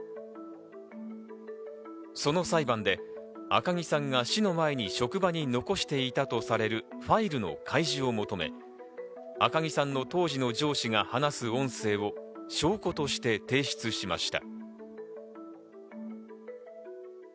その裁判で赤木さんが死の前に職場に残していたとされるファイルの開示を求め、赤木さんの当時の上司が話す音声を証拠として提出しました。